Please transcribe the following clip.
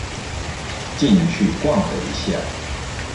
進去逛了一下